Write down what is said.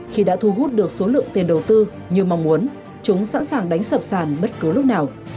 khi đã thu hút được số lượng tiền đầu tư như mong muốn chúng sẵn sàng đánh sập sàn bất cứ lúc nào